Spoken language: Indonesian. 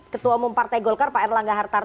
ketua umum partai golkar pak erlangga hartarto